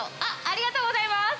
ありがとうございます。